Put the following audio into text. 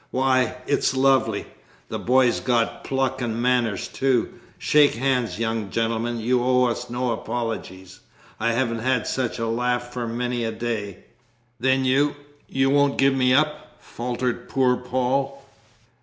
Why, it's lovely! The boy's got pluck and manners too. Shake hands, young gentleman, you owe us no apologies. I haven't had such a laugh for many a day!" "Then you you won't give me up?" faltered poor Paul.